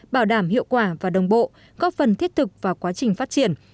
bảo đảm hiệu quả và đồng bộ góp phần thiết thực vào quá trình phát triển